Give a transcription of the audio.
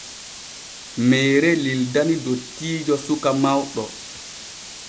Meere lildani dottiijo suka mawɗo.